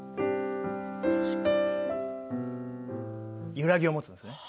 揺らぎを持つんですね。